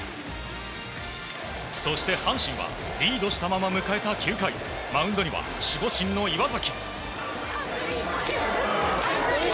そして阪神はリードしたまま迎えた９回マウンドには守護神の岩崎。